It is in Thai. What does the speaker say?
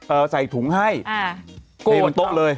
เอ่อใส่ถุงให้โกรธเอาแทนต้นเลย